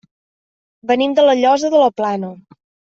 Venim de La Llosa de la Plana.